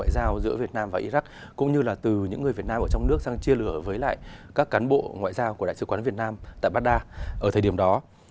nói về tình cảm của đại sứ quán việt nam và iraq cũng như là từ những người việt nam ở trong nước sang chia lửa với lại các cán bộ ngoại giao của đại sứ quán việt nam tại baghdad ở thời điểm đó